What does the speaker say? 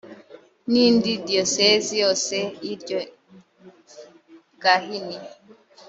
n indi diyosezi yose y iryo gahini